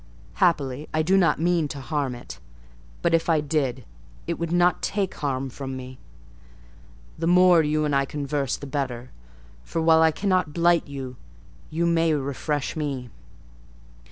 Happily I do not mean to harm it: but, if I did, it would not take harm from me. The more you and I converse, the better; for while I cannot blight you, you may refresh me."